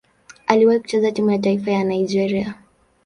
Aliwahi kucheza timu ya taifa ya Nigeria.